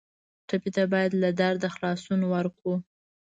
ټپي ته باید له درده خلاصون ورکړو.